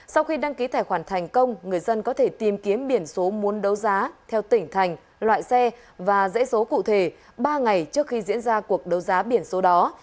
sau khi đăng ký tài khoản thành công người dân có thể tìm kiếm biển số muốn đấu giá theo tỉnh thành loại xe và dễ số cụ thể ba ngày trước khi diễn ra cuộc đấu giá biển số đó